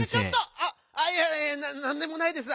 あっいやいやなんでもないです。